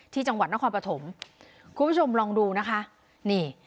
ที่จังหวัดนครปฐมคุณผู้ชมลองดูนะคะนี่